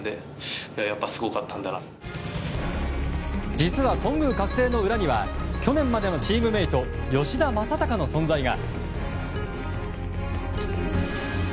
実は、頓宮覚醒の裏には去年までのチームメート吉田正尚の存在が。